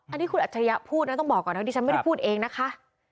อันนี้คุณอัจฉริยะพูดนะต้องบอกก่อนนะดิฉันไม่ได้พูดเองนะคะ